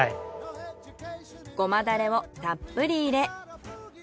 ごまダレをたっぷり入れ。